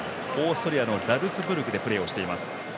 オーストラリアのザルツブルクでプレーをしています。